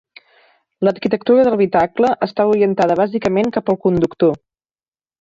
L'arquitectura de l'habitacle està orientada bàsicament cap al conductor.